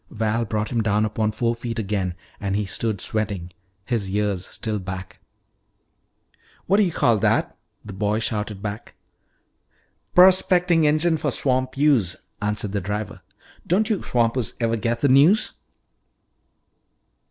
Val brought him down upon four feet again, and he stood sweating, his ears still back. "What do you call that?" the boy shouted back. "Prospecting engine for swamp use," answered the driver. "Don't you swampers ever get the news?"